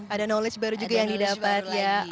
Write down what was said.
ada knowledge baru juga yang didapat ya